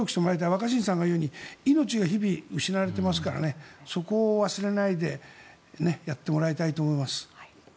若新さんが言うように命が日々失われていますからそこを忘れないでやってもらいたいと思います。